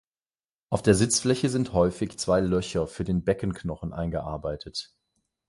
Auf der Sitzfläche sind häufig zwei Löcher für den Beckenknochen eingearbeitet.